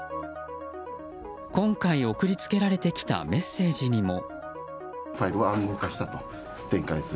今回送り付けられてきたメッセージにも。